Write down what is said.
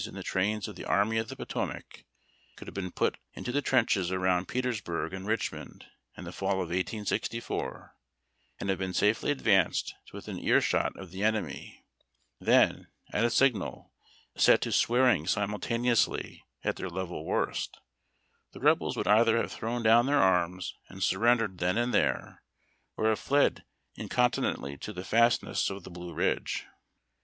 's in the trains of the Army of the Poto mac could have been put into the trenches around Peters burg and Richmond, in the fall of 1864, and have been safely advanced to within ear shot of the enemy, then, at a signal, set to swearing simultaneously at their level worst, the Rebels would either have thrown down their arms and surrendered then and there, or have fled incontinently to the fastnesses of the Blue Ridge.